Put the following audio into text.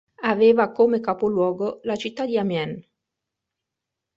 Aveva come capoluogo la città di Amiens.